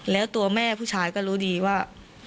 แล้วตัวแม่ผู้ชายก็รู้ดีว่า